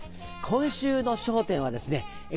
今週の『笑点』はですね